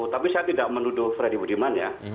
tapi saya tidak menuduh freddy budiman ya